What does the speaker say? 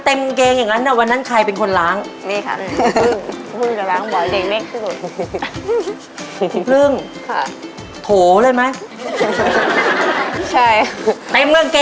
เต็มเงินเกงเลยหรอ